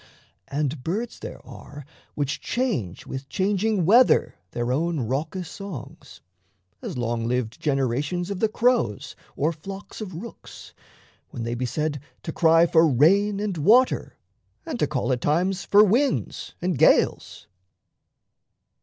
And birds there are which change With changing weather their own raucous songs As long lived generations of the crows Or flocks of rooks, when they be said to cry For rain and water and to call at times For winds and gales.